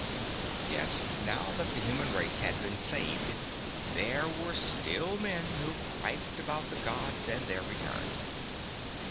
Yet now that the human race had been saved, there were still men who griped about the Gods and their return.